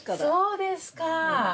そうですか。